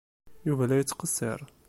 Yuba la yettqeṣṣir.